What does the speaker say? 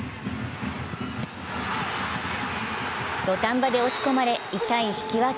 土壇場で押し込まれ、痛い引き分け